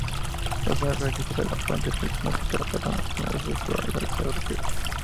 Los primeros registros de la fuente prismática datan de los primeros exploradores europeos.